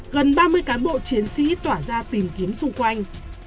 gần ba mươi cán bộ chiến sĩ tỏa ra tìm kiếm xung quanh